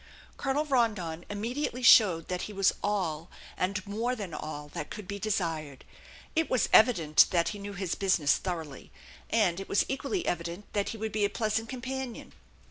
Colonel Rondon immediately showed that he was all, and more than all, that could be desired. It was evident that he knew his business thoroughly, and it was equally evident that he would be a pleasant companion.